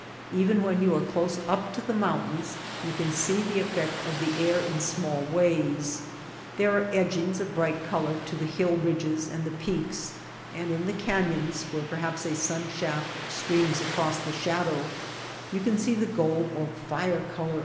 Even when you are close up to the moun tains you can see the effect of the air in small ways. There are edgings of bright color to the hill ridges and the peaks ; and in the canyons, where perhaps a sunshaft streams across the shadow, you can see the gold or fire color of the Peak of Baboquir vari.